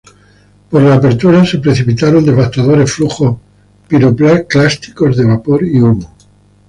Por la abertura se precipitaron devastadores flujos piroclásticos de vapor y humo.